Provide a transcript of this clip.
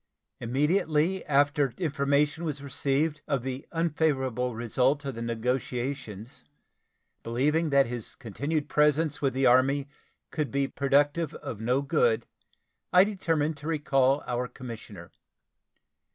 Immediately after information was received of the unfavorable result of the negotiations, believing that his continued presence with the Army could be productive of no good, I determined to recall our commissioner.